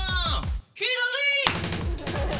「左！」